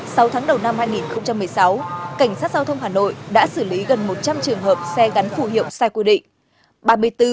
sau tháng đầu năm hai nghìn một mươi sáu cảnh sát giao thông hà nội đã xử lý gần một trăm linh trường hợp xe gắn phù hiệu sai quy định